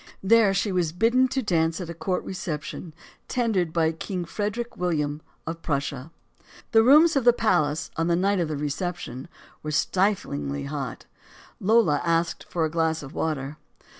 There she was bidden to dance at a court reception tendered by King Frederick William, of Prussia. LOLA MONTEZ 1 1 The rooms of the palace, on the night of the recep tion, were stiflingly hot. Lola asked for a glass of water.